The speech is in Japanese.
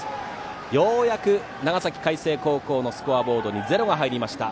ようやく長崎・海星高校のスコアボードにゼロが入りました。